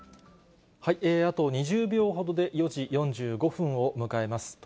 あと２０秒ほどで４時４５分を迎えます。